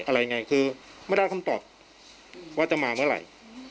อะไรไงคือไม่ได้คำตอบว่าจะมาเมื่อไหร่